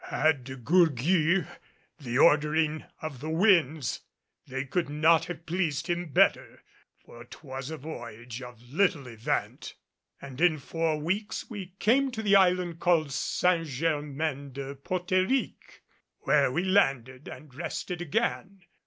Had De Gourgues the ordering of the winds, they could not have pleased him better, for 'twas a voyage of little event; and in four weeks we came to the island called St. Germain de Porterique, where we landed and rested again.